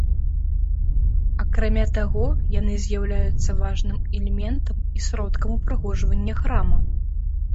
Акрамя таго, яны з'яўляюцца важным элементам і сродкам упрыгожвання храма.